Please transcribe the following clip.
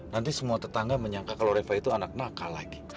nanti semua tetangga menyangka kalau reva itu anak nakal lagi